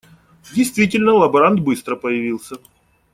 Действительно лаборант быстро появился.